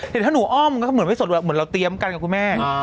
แต่ถ้าหนูอ้อมมันก็เหมือนไม่สดเหมือนเราเตรียมกันกับคุณแม่